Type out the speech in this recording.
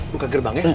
buka gerbang ya